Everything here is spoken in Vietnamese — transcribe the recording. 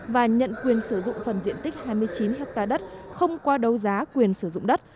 và nhận quyền sử dụng phần diện tích hai mươi chín ha đất không qua đấu giá quyền sử dụng đất